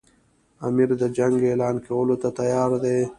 امیر د جنګ اعلان کولو ته تیار دی.